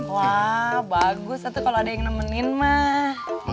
wah bagus itu kalo ada yang nemenin mah